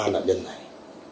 ba nạn nhân này